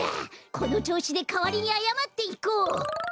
このちょうしでかわりにあやまっていこう！